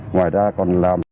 ngoài ra còn làm